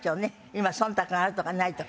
今忖度があるとかないとか。